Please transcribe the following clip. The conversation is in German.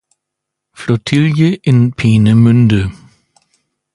Flottille in Peenemünde.